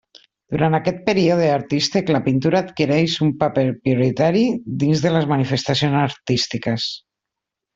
Durant aquest període artístic la pintura adquireix un paper prioritari dins de les manifestacions artístiques.